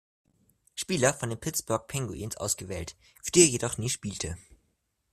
Spieler von den Pittsburgh Penguins ausgewählt, für die er jedoch nie spielte.